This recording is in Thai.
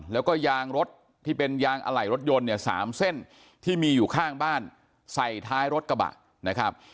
แล้วก็ยางรถที่เป็นยางอะไหล่รถยนต์เนี่ย๓เส้นที่มีอยู่ข้างบ้านใส่ท้ายรถกระบะนะครับ